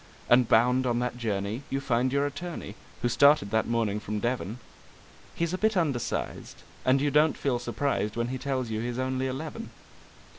And bound on that journey you find your attorney (who started that morning from Devon); He's a bit undersized, and you don't feel surprised when he tells you he's only eleven.